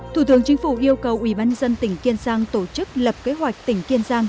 thủ tướng chính phủ yêu cầu ủy ban nhân dân tỉnh kiên giang tổ chức lập kế hoạch tỉnh kiên giang